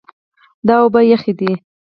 دا اوبه یخې دي.